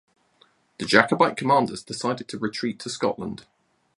The Jacobite commanders decided to retreat to Scotland.